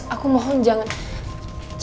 aku mau ngerti